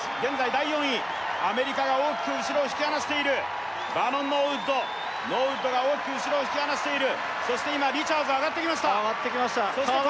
第４位アメリカが大きく後ろを引き離しているバーノン・ノーウッドノーウッドが大きく後ろを引き離しているそして今リチャーズ上がってきました上がってきました